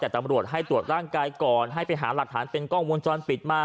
แต่ตำรวจให้ตรวจร่างกายก่อนให้ไปหาหลักฐานเป็นกล้องวงจรปิดมา